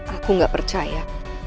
aku nggak percaya